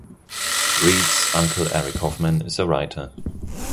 Reid's uncle Eric Hoffman is a writer.